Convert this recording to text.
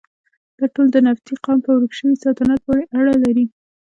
دا ټول د نبطي قوم په ورک شوي سلطنت پورې اړه لري.